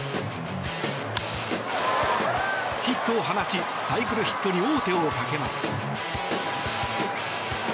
ヒットを放ち、サイクルヒットに王手をかけます。